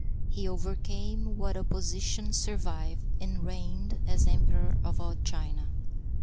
He overcame what opposition survived and reigned as emperor of all China.